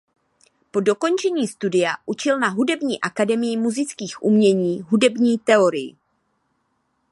Po dokončení studia učil na Hudební Akademie múzických umění hudební teorii.